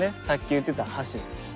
さっき言ってた橋です。